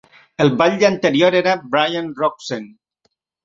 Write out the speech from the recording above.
El batlle anterior era Brian Roczen.